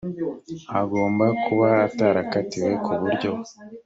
agomba kuba atarakatiwe ku buryo